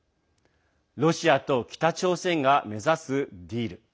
ロシアと北朝鮮が目指すディール。